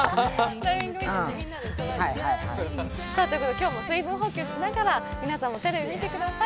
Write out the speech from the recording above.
今日も水分補給しながら皆さんもテレビ見てください。